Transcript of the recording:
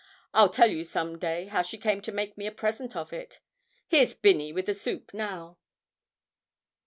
I'll tell you some day how she came to make me a present of it. Here's Binney with the soup now.'